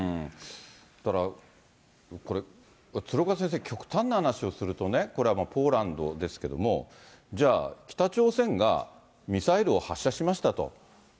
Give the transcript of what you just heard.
だからこれ、鶴岡先生、極端な話をするとね、これはポーランドですけども、じゃあ、北朝鮮がミサイルを発射しましたと。